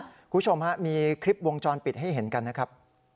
คุณผู้ชมฮะมีคลิปวงจรปิดให้เห็นกันนะครับ